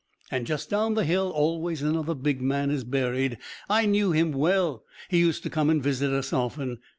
"And just down the hill aways another big man is buried. I knew him well; he used to come and visit us often.